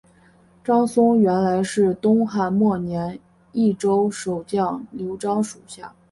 张松原来是东汉末年益州守将刘璋属下。